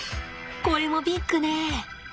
これもビッグね。